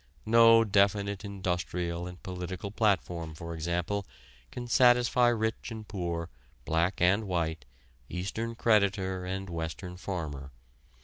No definite industrial and political platform, for example, can satisfy rich and poor, black and white, Eastern creditor and Western farmer.